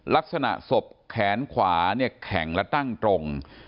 ลักษณะศพแขนขวาเนี่ยแข็งและตั้งตรง